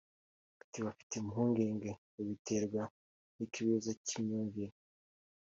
Ati “Abafite impungenge babiterwa n’ikibazo cy’imyumvire